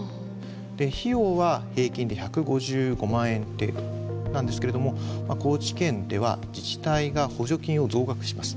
費用は平均で１５５万円程度なんですけれども高知県では自治体が補助金を増額します。